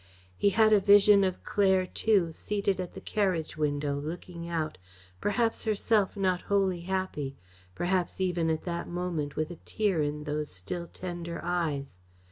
He had a vision of Claire too, seated at the carriage window, looking out, perhaps herself not wholly happy, perhaps even at that moment with a tear in those still tender eyes.